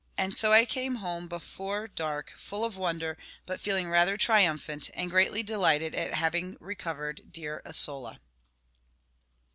And so I came home before dark, full of wonder, but feeling rather triumphant, and greatly delighted at having recovered dear Isola.